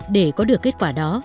để có được kết quả đó